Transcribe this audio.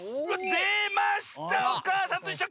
でました「おかあさんといっしょ」。